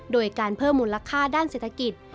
โดยการเพิ่มมูลค่าด้านเศรษฐกิจ